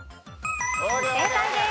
正解です。